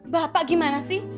bapak gimana sih